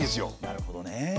なるほどね。